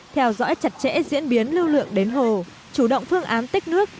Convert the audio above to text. theo dõi chặt chẽ diễn biến lưu lượng đến hồ chủ động phương án tích nước